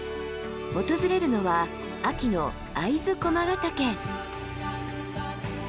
訪れるのは秋の会津駒ヶ岳。